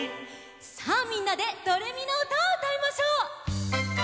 さあみんなで「ドレミのうた」をうたいましょう！